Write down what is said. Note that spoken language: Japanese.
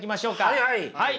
はいはい。